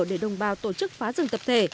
để đồng bào tổ chức phá rừng tập thể